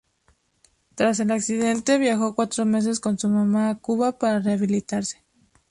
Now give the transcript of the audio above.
Tras el accidente, viajó cuatro meses con su mamá a Cuba para rehabilitarse.